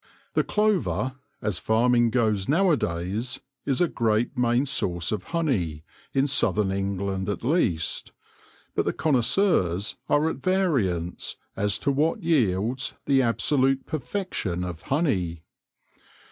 The clover, as farming goes nowadays, is the great main source of honey, in southern England at least ; but the connoisseurs are at variance as to what yields the absolute perfection of honey.